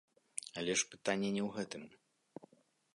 Але ж пытанне не ў гэтым.